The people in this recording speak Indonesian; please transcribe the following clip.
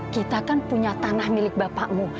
kita kan punya tanah milik bapakmu